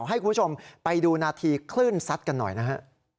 ให้คุณผู้ชมไปดูนาทีคลื่นซัดกันหน่อยนะฮะ